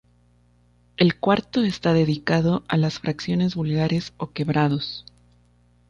El cuarto está dedicado a las fracciones vulgares o quebrados.